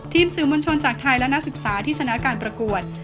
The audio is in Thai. สื่อมวลชนจากไทยและนักศึกษาที่ชนะการประกวด